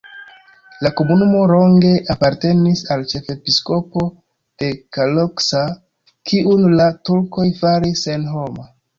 La komunumo longe apartenis al ĉefepiskopo de Kalocsa, kiun la turkoj faris senhoma.